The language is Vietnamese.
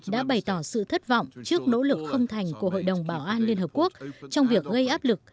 đã bày tỏ sự thất vọng trước nỗ lực không thành của hội đồng bảo an liên hợp quốc trong việc gây áp lực